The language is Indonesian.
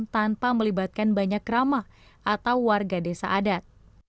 tanpa melibatkan banyak ramah atau warga desa adat